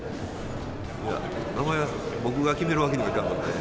いや、名前は僕が決めるわけにはいかんので。